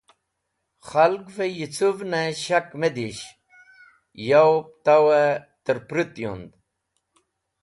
Ghalgvẽ yicũvnẽ shak mẽ dish yab to tẽr pẽrũt yund.